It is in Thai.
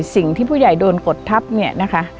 สิ่งที่ผู้ใหญ่โดนกดทับเนี่ยนะคะ